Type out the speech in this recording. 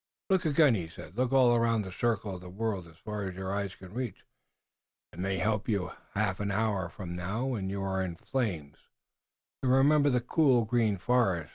"Look again," he said. "Look around all the circle of the world as far as your eyes can reach. It may help you a half hour from now, when you are in the flames, to remember the cool, green forest.